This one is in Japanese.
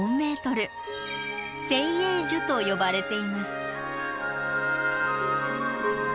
「精英樹」と呼ばれています。